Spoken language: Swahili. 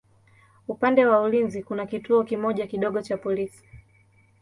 Upande wa ulinzi kuna kituo kimoja kidogo cha polisi.